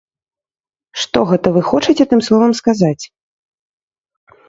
Што гэта вы хочаце тым словам сказаць?